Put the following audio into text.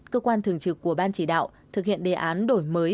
cơ quan thường trực của ban chỉ đạo thực hiện đề án đổi mới